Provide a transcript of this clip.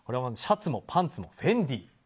シャツもパンツもフェンディ。